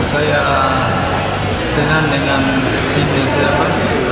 saya senang dengan timnya siapa